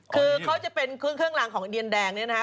คือเครื่องหลังของเดียนแดงเนี่ยนะฮะ